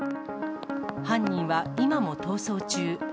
犯人は今も逃走中。